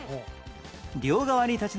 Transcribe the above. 両側に立ち並ぶ